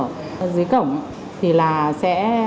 dưới cổng thì là sẽ